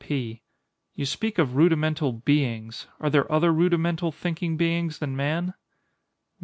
P. You speak of rudimental "beings." Are there other rudimental thinking beings than man?